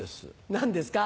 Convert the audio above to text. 何ですか？